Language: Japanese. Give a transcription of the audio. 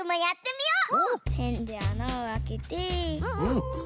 ペンであなをあけて。